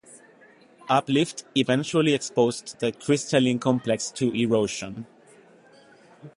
Uplift eventually exposed the crystalline complex to erosion.